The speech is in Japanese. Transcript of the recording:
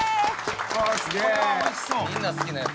みんな好きなやつ